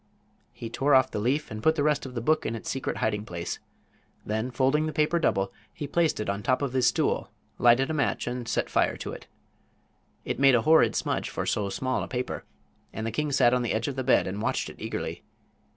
He tore off the leaf and put the rest of the book in its secret hiding place. Then, folding the paper double, he placed it on the top of his stool, lighted a match and set fire to it. It made a horrid smudge for so small a paper, and the king sat on the edge of the bed and watched it eagerly.